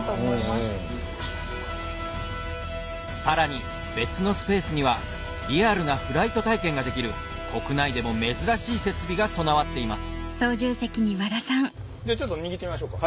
さらに別のスペースにはリアルなフライト体験ができる国内でも珍しい設備が備わっていますはい。